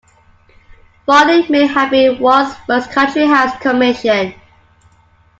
Fawley may have been Wyatt's first country house commission.